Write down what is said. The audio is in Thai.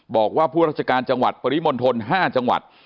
บอกว่าผู้ราชการจังหวัดปริมณฑล๕จังหวัด